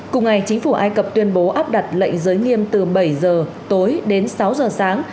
cùng ngày chính phủ ai cập tuyên bố áp đặt lệnh giới nghiêm từ bảy giờ tối đến sáu giờ sáng